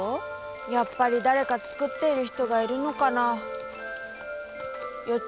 やっぱり誰か作っている人がいるのかなヨッ